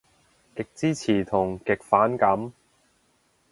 極支持同極反感